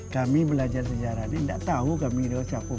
kami belajar sejarah ini tidak tahu kami itu siapa